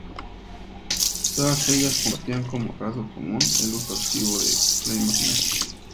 Todas ellas compartían como rasgo común el uso activo de la imaginación.